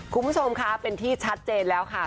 คุณผู้ชมคะเป็นที่ชัดเจนแล้วค่ะ